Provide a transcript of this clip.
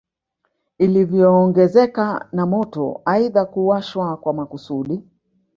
Ilivyoongezeka na moto aidha kuwashwa kwa makusudi